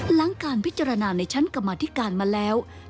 หลังการพิจารณาในชั้นกรรมธิการมาแล้ว